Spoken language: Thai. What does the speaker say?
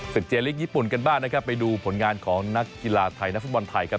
เจลิกญี่ปุ่นกันบ้างนะครับไปดูผลงานของนักกีฬาไทยนักฟุตบอลไทยครับ